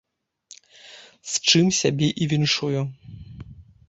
З чым сябе і віншую.